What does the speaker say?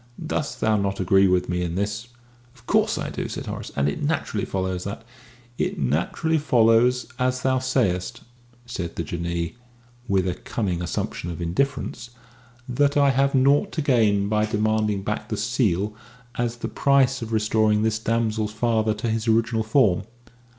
Dost thou not agree with me in this?" "Of course I do," said Horace. "And it naturally follows that " "It naturally follows, as thou sayest," said the Jinnee, with a cunning assumption of indifference, "that I have naught to gain by demanding back the seal as the price of restoring this damsel's father to his original form.